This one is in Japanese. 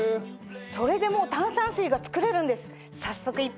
それでもう炭酸水が作れるんです。